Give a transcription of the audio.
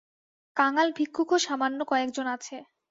কাঙাল-ভিক্ষুকও সামান্য কয়েকজন আছে।